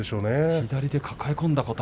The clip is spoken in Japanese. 左で抱え込んだこと。